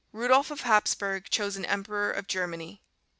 Rudolph of Hapsburg chosen Emperor of Germany.